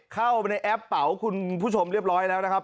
เข้าไปในแอปเป๋าคุณผู้ชมเรียบร้อยแล้วนะครับ